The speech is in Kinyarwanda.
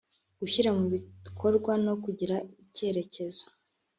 gushyira mu bikorwa no kugira icyerekezo